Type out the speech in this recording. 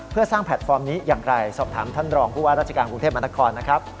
เพื่อสร้างแพลตฟอร์มนี้อย่างไรสอบถามท่านรองผู้ว่าราชการกรุงเทพมหานครนะครับ